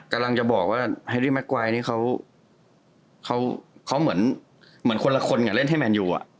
กำลังจะบอกว่าแฮร์รี่แมคไวท์นี่เขาเหมือนคนละคนเหมือนเล่นให้แมนยูอ่ะ